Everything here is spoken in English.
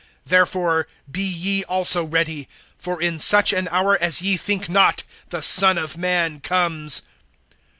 (44)Therefore be ye also ready; for in such an hour as ye think not, the Son of man comes.